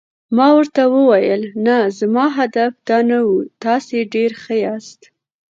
ما ورته وویل: نه، زما هدف دا نه و، تاسي ډېر ښه یاست.